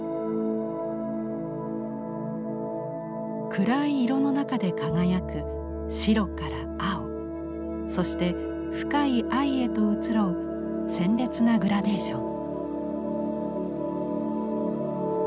暗い色の中で輝く白から青そして深い藍へと移ろう鮮烈なグラデーション。